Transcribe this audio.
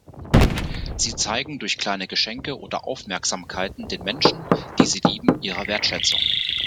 Sie zeigen durch kleine Geschenke oder Aufmerksamkeiten den Menschen, die sie lieben, ihre Wertschätzung.